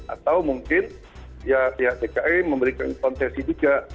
atau mungkin ya pihak dki memberikan konsesi juga